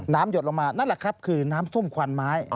หยดลงมานั่นแหละครับคือน้ำส้มควันไม้